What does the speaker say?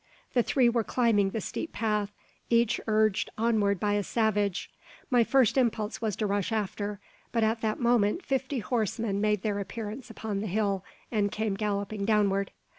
The three were climbing the steep path, each urged onward by a savage. My first impulse was to rush after; but at that moment fifty horsemen made their appearance upon the hill, and came galloping downward.